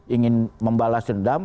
ingin membalas dendam